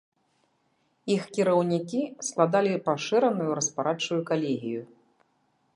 Іх кіраўнікі складалі пашыраную распарадчую калегію.